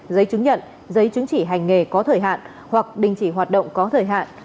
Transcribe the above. giấy chứng nhận giấy chứng chỉ hành nghề có thời hạn hoặc đình chỉ hoạt động có thời hạn